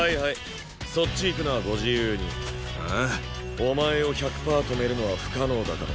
お前を１００パー止めるのは不可能だからな。